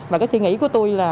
và cái suy nghĩ của tôi là